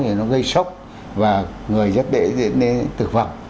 thì nó gây sốc và người rất để tử vọng